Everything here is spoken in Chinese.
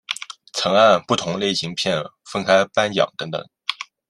曾按不同类型片分开颁奖等等。